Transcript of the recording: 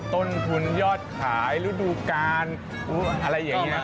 ต้นทุนยอดขายฤดูกาลอะไรอย่างนี้